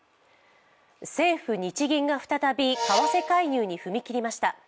政府・日銀が再び為替介入に踏み切りました。